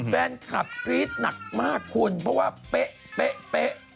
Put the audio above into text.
แฟนคลับกรี๊ดหนักมากคุณเพราะว่าเป๊ะ